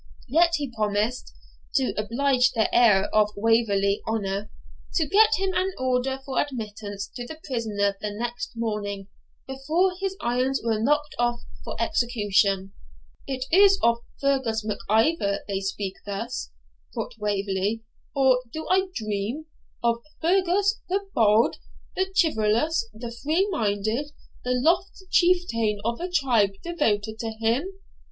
Yet he promised (to oblige the heir of Waverley Honour) to get him an order for admittance to the prisoner the next morning, before his irons were knocked off for execution. 'Is it of Fergus Mac Ivor they speak thus,' thought Waverley, 'or do I dream? Of Fergus, the bold, the chivalrous, the free minded, the lofty chieftain of a tribe devoted to him?